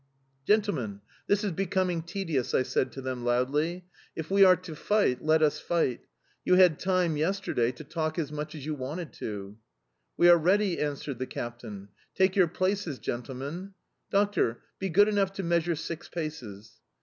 "Gentlemen, this is becoming tedious," I said to them loudly: "if we are to fight, let us fight; you had time yesterday to talk as much as you wanted to." "We are ready," answered the captain. "Take your places, gentlemen! Doctor, be good enough to measure six paces"...